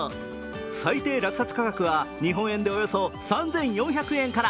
最低落札価格は日本円でおよそ３４００円から。